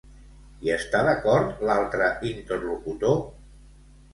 Hi està d'acord l'altre interlocutor?